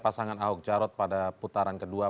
anda tuntut media